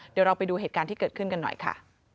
เดี๋ยวเราไปดูเหตุการณ์ที่เกิดขึ้นกันหน่อยค่ะ